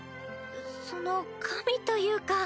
その神というか。